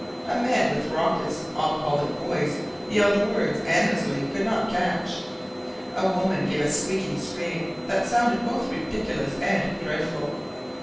A man with a raucous, alcoholic voice, yelled words Annesley could not catch. A woman gave a squeaking scream that sounded both ridiculous and dreadful.